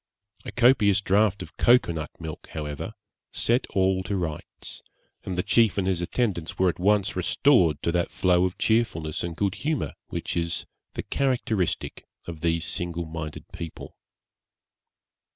A copious draught of cocoa nut milk, however, set all to rights, and the chief and his attendants were at once restored to that flow of cheerfulness and good humour, which is the characteristic of these single minded people.